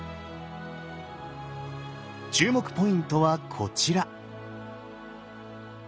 注目ポイントはこちら！